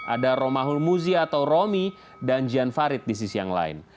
ada romahul muzi atau romi dan jan farid di sisi yang lain